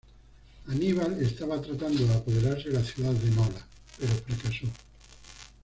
Aníbal estaba tratando de apoderarse de la ciudad de Nola, pero fracasó.